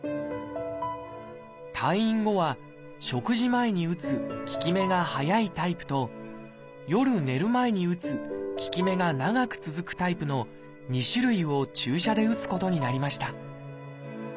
退院後は食事前に打つ効き目が早いタイプと夜寝る前に打つ効き目が長く続くタイプの２種類を注射で打つことになりました。